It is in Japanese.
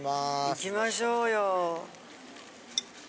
いきましょうよ。